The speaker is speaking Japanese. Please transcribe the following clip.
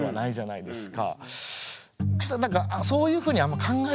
ないですね。